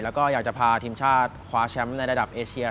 แล้วก็อยากจะพาทีมชาติคว้าแชมป์ในระดับเอเชีย